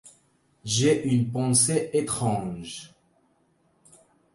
J’ai une pensée étrange.